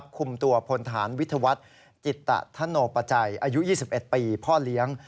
คุมตัวพลฐานวิทยาวัฒน์จิตธโนปัจจัยอายุ๒๑ปีพ่อเลี้ยง